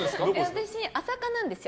私、朝霞なんですよ。